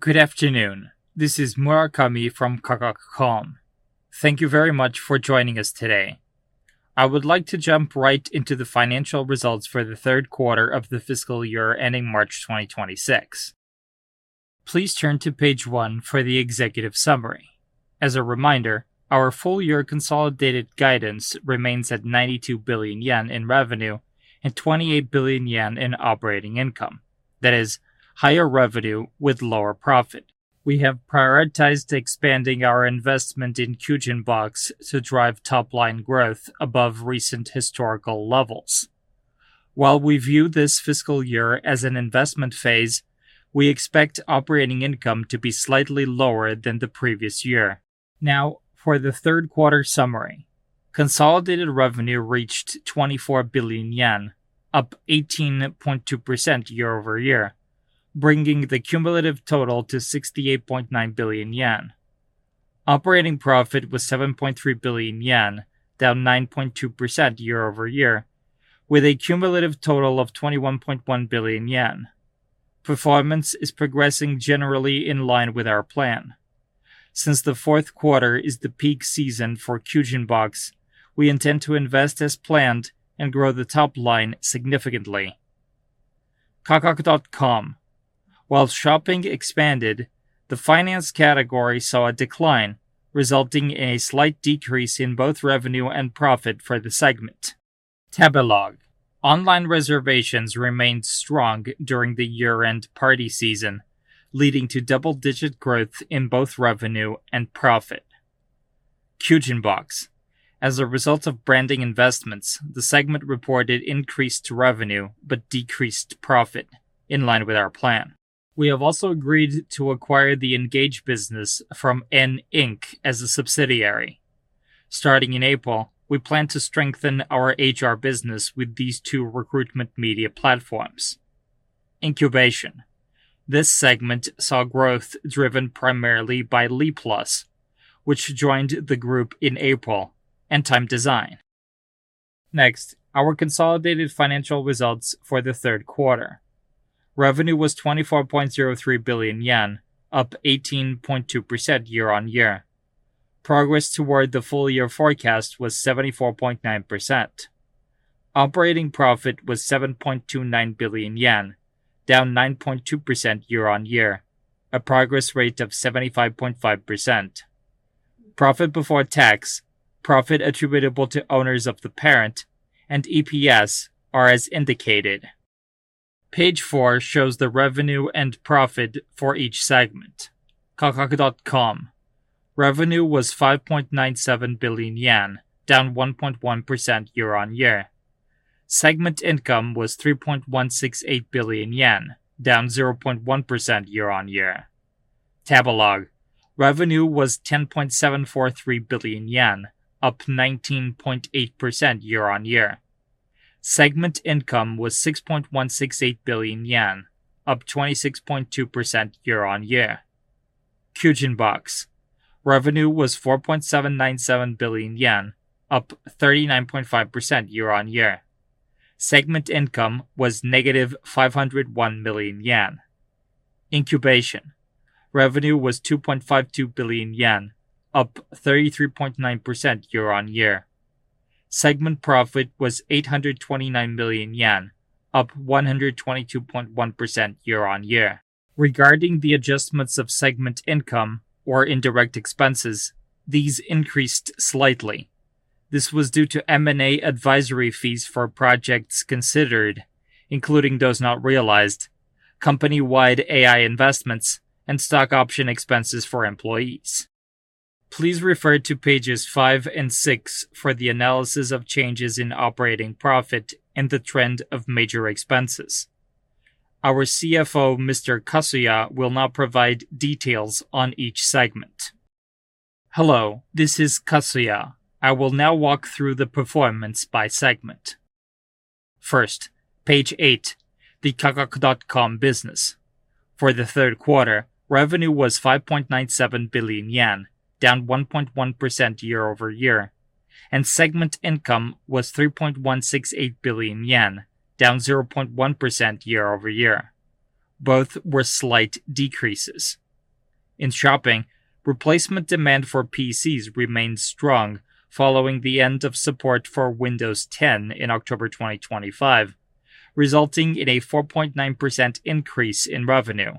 Good afternoon, this is Murakami from Kakaku.com. Thank you very much for joining us today. I would like to jump right into the financial results for the third quarter of the fiscal year ending March 2026. Please turn to page one for the executive summary. As a reminder, our full-year consolidated guidance remains at 92 billion yen in revenue and 28 billion yen in operating income, that is, higher revenue with lower profit. We have prioritized expanding our investment in Kyujin Box to drive top-line growth above recent historical levels. While we view this fiscal year as an investment phase, we expect operating income to be slightly lower than the previous year. Now, for the third-quarter summary: consolidated revenue reached 24 billion yen, up 18.2% year-over-year, bringing the cumulative total to 68.9 billion yen. Operating profit was 7.3 billion yen, down 9.2% year-over-year, with a cumulative total of 21.1 billion yen. Performance is progressing generally in line with our plan. Since the fourth quarter is the peak season for Kyujin Box, we intend to invest as planned and grow the top-line significantly. Kakaku.com: while shopping expanded, the finance category saw a decline, resulting in a slight decrease in both revenue and profit for the segment. Tabelog: online reservations remained strong during the year-end party season, leading to double-digit growth in both revenue and profit. Kyujin Box: as a result of branding investments, the segment reported increased revenue but decreased profit, in line with our plan. We have also agreed to acquire the engage business from en Japan Inc. as a subsidiary. Starting in April, we plan to strengthen our HR business with these two recruitment media platforms. Incubation: This segment saw growth driven primarily by LiPLUS, which joined the group in April, and Time Design. Next, our consolidated financial results for the third quarter. Revenue was 24.03 billion yen, up 18.2% year-on-year. Progress toward the full-year forecast was 74.9%. Operating profit was 7.29 billion yen, down 9.2% year-on-year, a progress rate of 75.5%. Profit before tax, profit attributable to owners of the parent, and EPS are as indicated. Page four shows the revenue and profit for each segment. Kakaku.com: revenue was 5.97 billion yen, down 1.1% year-on-year. Segment income was 3.168 billion yen, down 0.1% year-on-year. Tabelog: revenue was JPY 10.743 billion, up 19.8% year-on-year. Segment income was 6.168 billion yen, up 26.2% year-on-year. Kyujin Box: revenue was 4.797 billion yen, up 39.5% year-on-year. Segment income was -501 million yen. Incubation: revenue was 2.52 billion yen, up 33.9% year-over-year. Segment profit was 829 million yen, up 122.1% year-over-year. Regarding the adjustments of segment income or indirect expenses, these increased slightly. This was due to M&A advisory fees for projects considered (including those not realized), company-wide AI investments, and stock option expenses for employees. Please refer to pages five and six for the analysis of changes in operating profit and the trend of major expenses. Our CFO, Mr. Kasuya, will now provide details on each segment. Hello, this is Kasuya. I will now walk through the performance by segment. First, page eight: the Kakaku.com business. For the third quarter, revenue was 5.97 billion yen, down 1.1% year-over-year, and segment income was 3.168 billion yen, down 0.1% year-over-year. Both were slight decreases. In shopping, replacement demand for PCs remained strong following the end of support for Windows 10 in October 2025, resulting in a 4.9% increase in revenue.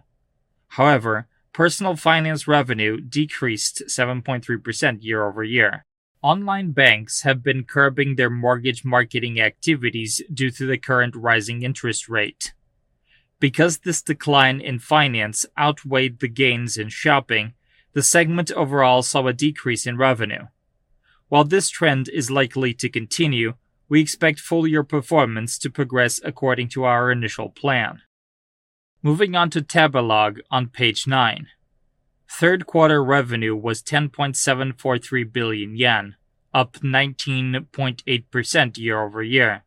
However, personal finance revenue decreased 7.3% year-over-year. Online banks have been curbing their mortgage marketing activities due to the current rising interest rate. Because this decline in finance outweighed the gains in shopping, the segment overall saw a decrease in revenue. While this trend is likely to continue, we expect full-year performance to progress according to our initial plan. Moving on to Tabelog on page nine: third-quarter revenue was JPY 10.743 billion, up 19.8% year-over-year,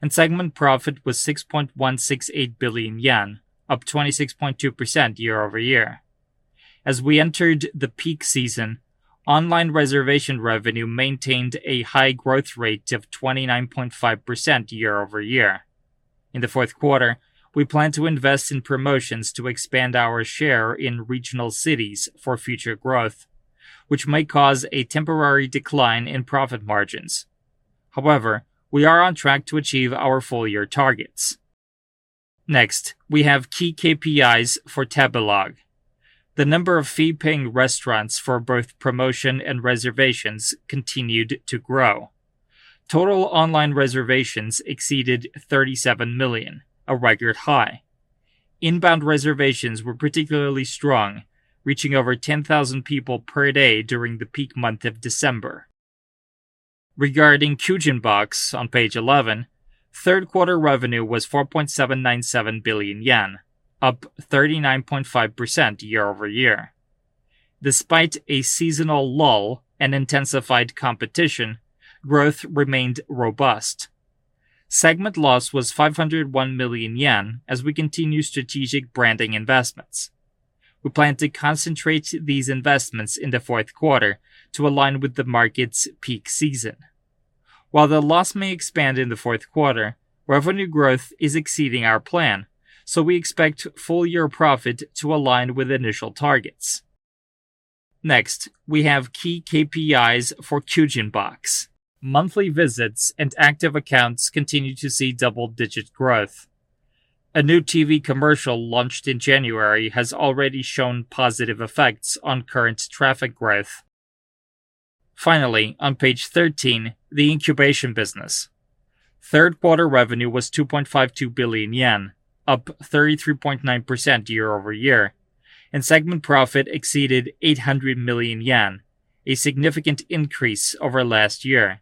and segment profit was 6.168 billion yen, up 26.2% year-over-year. As we entered the peak season, online reservation revenue maintained a high growth rate of 29.5% year-over-year. In the fourth quarter, we plan to invest in promotions to expand our share in regional cities for future growth, which may cause a temporary decline in profit margins. However, we are on track to achieve our full-year targets. Next, we have key KPIs for Tabelog. The number of fee-paying restaurants for both promotion and reservations continued to grow. Total online reservations exceeded 37 million, a record high. Inbound reservations were particularly strong, reaching over 10,000 people per day during the peak month of December. Regarding Kyujin Box on page 11: third-quarter revenue was JPY 4.797 billion, up 39.5% year-over-year. Despite a seasonal lull and intensified competition, growth remained robust. Segment loss was 501 million yen as we continue strategic branding investments. We plan to concentrate these investments in the fourth quarter to align with the market's peak season. While the loss may expand in the fourth quarter, revenue growth is exceeding our plan, so we expect full-year profit to align with initial targets. Next, we have key KPIs for Kyujin Box. Monthly visits and active accounts continue to see double-digit growth. A new TV commercial launched in January has already shown positive effects on current traffic growth. Finally, on page 13, the incubation business. Third-quarter revenue was 2.52 billion yen, up 33.9% year-over-year, and segment profit exceeded 800 million yen, a significant increase over last year.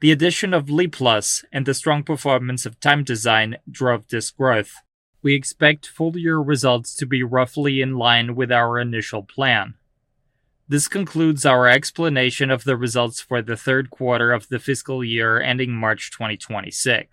The addition of LiPLUS and the strong performance of Time Design drove this growth. We expect full-year results to be roughly in line with our initial plan. This concludes our explanation of the results for the third quarter of the fiscal year ending March 2026.